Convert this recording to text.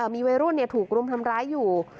มีวัยรุ่นถูกรุมทำร้ายอยู่